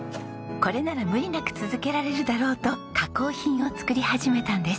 これなら無理なく続けられるだろうと加工品を作り始めたんです。